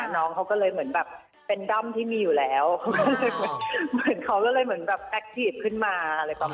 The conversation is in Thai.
น้องเขาก็เลยเหมือนแบบเป็นด้อมที่มีอยู่แล้วเขาก็เลยแบบแอคทิศขึ้นมา